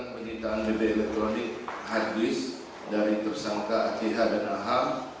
menciptakan db elektronik harddisk dari tersangka ach dan aha